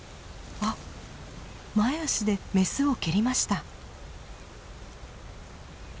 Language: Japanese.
あっ前足でメスを蹴りました。